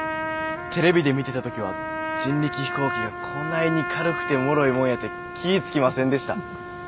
テレビで見てた時は人力飛行機がこないに軽くてもろいもんやて気ぃ付きませんでした。